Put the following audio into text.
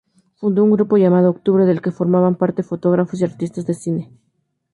Fundó un grupo llamado "Octubre", del que formaban parte fotógrafos y artistas del cine.